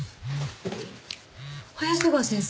早瀬川先生。